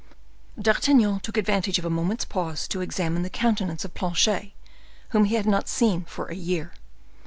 D'Artagnan took advantage of a moment's pause to examine the countenance of Planchet, whom he had not seen for a year.